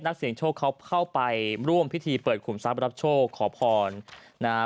เสียงโชคเขาเข้าไปร่วมพิธีเปิดขุมทรัพย์รับโชคขอพรนะฮะ